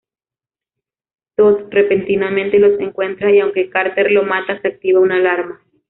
Toth repentinamente los encuentra y aunque Carter lo mata, se activa una alarma.